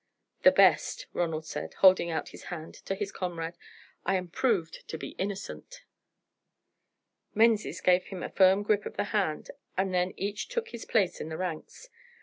"The best," Ronald said, holding out his hand to his comrade. "I am proved to be innocent." Menzies gave him a firm grip of the hand, and then each took his place in the ranks.